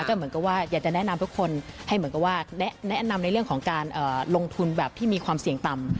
ก็เหมือนกับว่าอยากจะแนะนำทุกคนให้เหมือนกับว่าแนะนำในเรื่องของการลงทุนแบบที่มีความเสี่ยงต่ำ